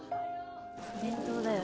・お弁当だよ